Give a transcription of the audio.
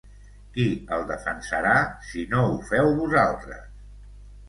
Qui el defensarà si no ho feu vosaltres?